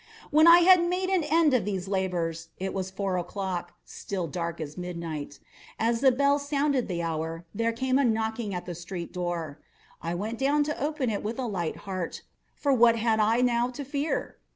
When I had made an end of these labors, it was four o'clock—still dark as midnight. As the bell sounded the hour, there came a knocking at the street door. I went down to open it with a light heart,—for what had I now to fear?